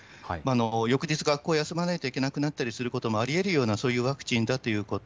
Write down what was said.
翌日、学校を休まないといけなくなることもありえるような、そういうワクチンだということ。